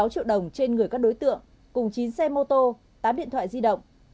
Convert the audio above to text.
sáu triệu đồng trên người các đối tượng cùng chín xe mô tô tám điện thoại di động